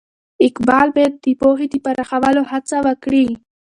اقبال باید د پوهې د پراخولو هڅه وکړي.